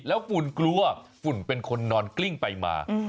แล้วฝุ่นกลัวฝุ่นเป็นคนนอนกลิ้งไปมา